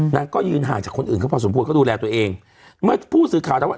นะก็ยืนห่างจากคนอื่นเขาพอสมควรก็ดูแลตัวเองเมื่อผู้สื่อข่าวถามว่า